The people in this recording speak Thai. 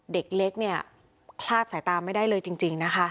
เด็กเล็กคล่าสายตาไม่ได้เลยจริง